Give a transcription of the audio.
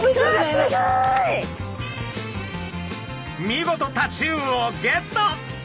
見事タチウオをゲット！